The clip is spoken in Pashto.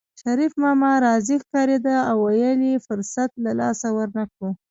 شريف ماما راضي ښکارېده او ویل یې فرصت له لاسه ورنکړو